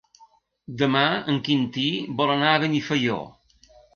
Demà en Quintí vol anar a Benifaió.